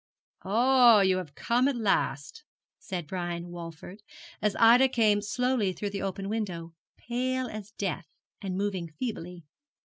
'Oh, you have come at last,' said Brian Walford, as Ida came slowly through the open window, pale as death, and moving feebly.